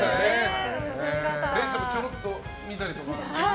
れいちゃんもちょろっと見たりとかしました？